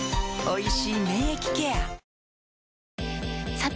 さて！